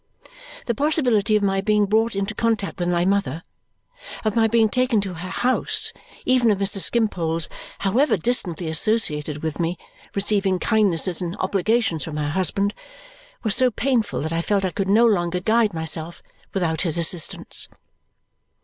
The possibility of my being brought into contact with my mother, of my being taken to her house, even of Mr. Skimpole's, however distantly associated with me, receiving kindnesses and obligations from her husband, was so painful that I felt I could no longer guide myself without his assistance.